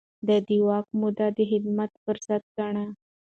ده د واک موده د خدمت فرصت ګاڼه.